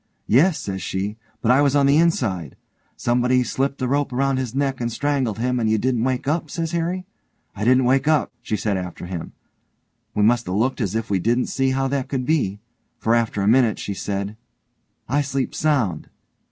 'Yes', says she, 'but I was on the inside'. 'Somebody slipped a rope round his neck and strangled him and you didn't wake up?' says Harry. 'I didn't wake up', she said after him. We must 'a looked as if we didn't see how that could be, for after a minute she said, 'I sleep sound'.